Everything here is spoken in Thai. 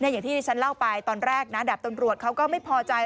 อย่างที่ที่ฉันเล่าไปตอนแรกนะดาบตำรวจเขาก็ไม่พอใจ